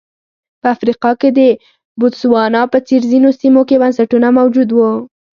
په افریقا کې د بوتسوانا په څېر ځینو سیمو کې بنسټونه موجود وو.